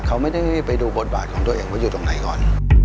เขาไม่ได้ไปดูบทบาทของตัวเองว่าอยู่ตรงไหนก่อน